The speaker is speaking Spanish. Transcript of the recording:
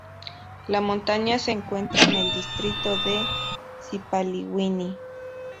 La montaña se encuentra en el Distrito de Sipaliwini.